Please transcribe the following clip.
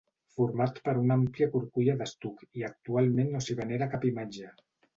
Format per una àmplia curculla d'estuc i actualment no s'hi venera cap imatge.